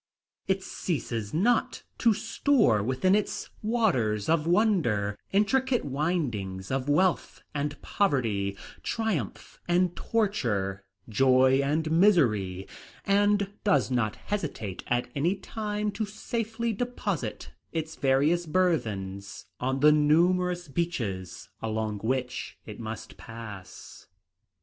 It ceases not to store within its waters of wonder intricate windings of wealth and poverty, triumph and torture, joy and misery, and does not hesitate at any time to safely deposit its various burthens on the numerous beaches along which it must pass.